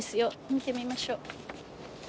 見てみましょう。